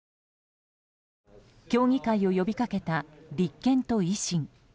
協議会を呼びかけた立憲と維新。